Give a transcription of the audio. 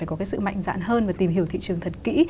có cái sự mạnh dạn hơn và tìm hiểu thị trường thật kỹ